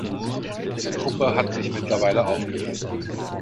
Die Gruppe hat sich mittlerweile aufgelöst.